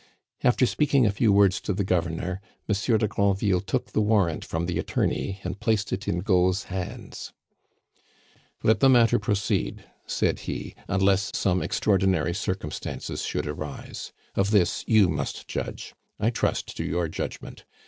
After speaking a few words to the governor, Monsieur de Granville took the warrant from the attorney and placed it in Gault's hands. "Let the matter proceed," said he, "unless some extraordinary circumstances should arise. Of this you must judge. I trust to your judgment.